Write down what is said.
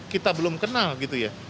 kita belum kenal gitu ya